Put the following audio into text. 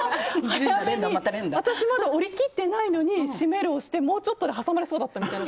私、まだ降りきってないのに閉めるを押してもうちょっとで挟まれそうだったみたいな。